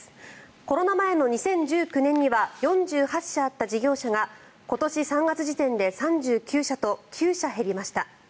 コロナ前の２０１９年には４８社あった事業者が今年３月時点で３９社と９社減りました。